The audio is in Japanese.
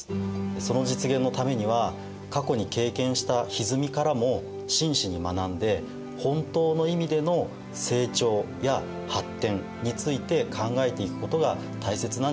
その実現のためには過去に経験したひずみからも真摯に学んで本当の意味での成長や発展について考えていくことが大切なんじゃないでしょうか。